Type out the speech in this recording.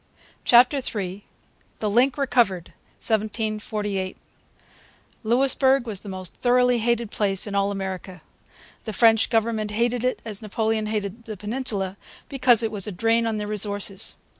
CHAPTER III THE LINK RECOVERED 1748 Louisbourg was the most thoroughly hated place in all America. The French government hated it as Napoleon hated the Peninsula, because it was a drain on their resources.